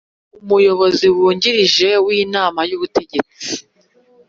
Umuyobozi wungirije w’Inama y’Ubutegetsi